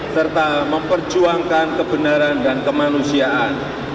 serta memperjuangkan kebenaran dan kemanusiaan